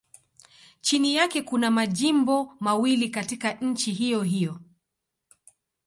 Chini yake kuna majimbo mawili katika nchi hiyohiyo.